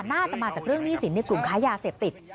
น่าจะมาจากเรื่องหนี้สินในกลุ่มค้ายาเสพติด